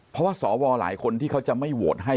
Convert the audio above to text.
เพราะว่าสวหลายคนที่เขาจะไม่โหวตให้